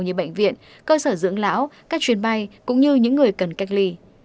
như bệnh viện cơ sở dưỡng lão các chuyến bay cũng như những người cần cách ly